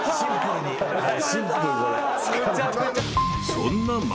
［そんな］